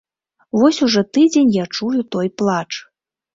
Вось ужо тыдзень я чую той плач.